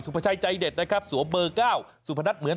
สูพไชยค์ใจเด็ดประโยชน์๑๐